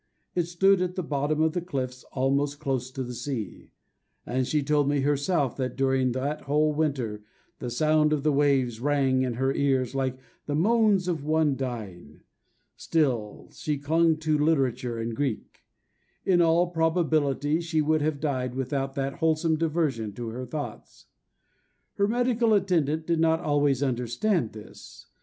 It stood at the bottom of the cliffs, almost close to the sea; and she told me herself that during that whole winter the sound of the waves rang in her ears like the moans of one dying. Still she clung to literature and Greek; in all probability she would have died without that wholesome diversion to her thoughts. Her medical attendant did not always understand this.